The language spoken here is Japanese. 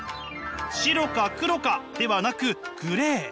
白か黒かではなくグレー。